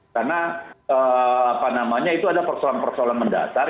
karena apa namanya itu ada persoalan persoalan mendasar